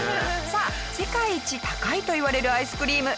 さあ世界一高いといわれるアイスクリーム